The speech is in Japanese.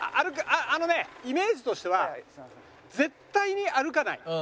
あのねイメージとしては絶対に歩かない。